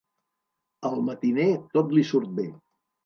Al matiner tot li surt bé.